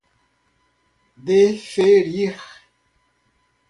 deferir